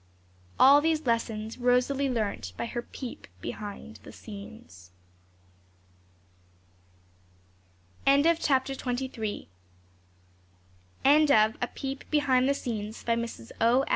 All these lessons Rosalie learnt by her PEEP BEHIND THE SCENES. End of Project Gutenberg's A Peep Behind the Scenes, by Mrs. O.